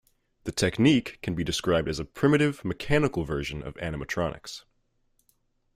The technique can be described as a primitive, mechanical version of animatronics.